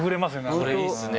これいいっすね。